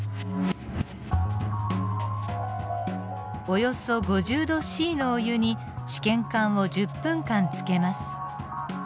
およそ５０℃のお湯に試験管を１０分間つけます。